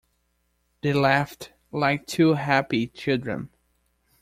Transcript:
They laughed like two happy children.